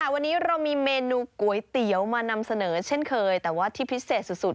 วันนี้เรามีเมนูก๋วยเตี๋ยวมานำเสนอเช่นเคยแต่ว่าที่พิเศษสุด